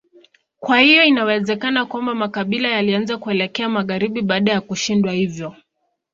Kwa hiyo inawezekana kwamba makabila yalianza kuelekea magharibi baada ya kushindwa hivyo.